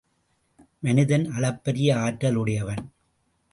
மனிதன் அளப்பரிய ஆற்றலுடையவன்.